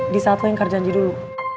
di saat lo ingkar janji dulu